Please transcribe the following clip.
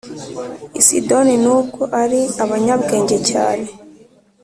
I Sidoni nubwo ari abanyabwenge cyane